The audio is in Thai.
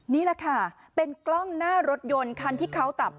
นี่แหละค่ะเป็นกล้องหน้ารถยนต์คันที่เขาตับ